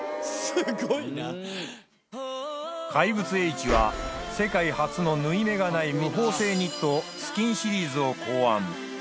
怪物Ｈは世界初の縫い目がない無縫製ニットスキンシリーズを考案